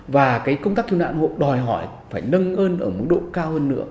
và công tác thiêu nạn hộ đòi hỏi phải nâng ơn ở mức độ cao hơn nữa